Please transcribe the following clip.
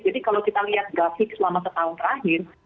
kalau kita lihat grafik selama setahun terakhir